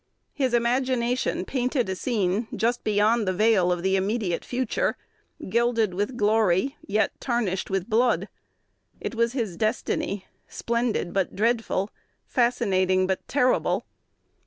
His imagination painted a scene just beyond the veil of the immediate future, gilded with glory yet tarnished with blood. It was his "destiny," splendid but dreadful, fascinating but terrible.